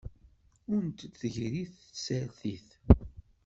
Ur d-tegri tsertit.